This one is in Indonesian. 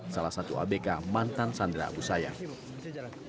salah satu abk mantan sandra abu sayyaf